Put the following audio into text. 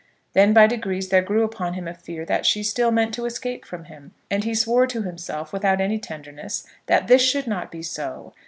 Then by degrees there grew upon him a fear that she still meant to escape from him, and he swore to himself, without any tenderness, that this should not be so.